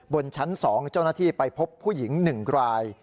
บนชั้น๒เจ้าหน้าที่ไปพบผู้หญิง๑ราย